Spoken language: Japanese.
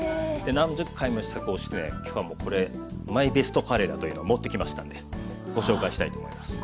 何十回も試作をしてしかもこれマイベストカレーだというのを持ってきましたんでご紹介したいと思います。